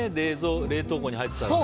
冷凍庫に入ってたらね。